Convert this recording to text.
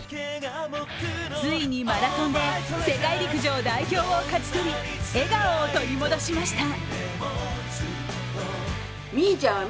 ついにマラソンで世界陸上代表を勝ち取り笑顔を取り戻しました。